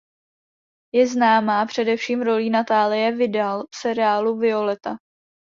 Je známá především rolí "Natálie Vidal" v seriálu Violetta.